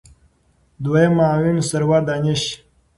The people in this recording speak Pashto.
دویم معاون سرور دانش